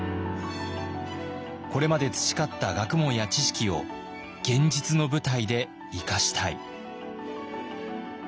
これまで培った学問や知識を現実の舞台で生かしたい。